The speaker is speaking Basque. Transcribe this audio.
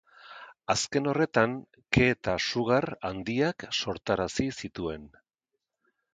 Azken horretan, ke eta sugar handiak sortarazi zituen.